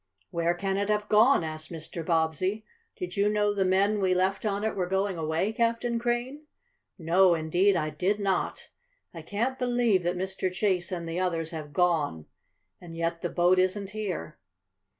"Where can it have gone?" asked Mr. Bobbsey. "Did you know the men we left on it were going away, Captain Crane?" "No, indeed, I did not! I can't believe that Mr. Chase and the others have gone, and yet the boat isn't here."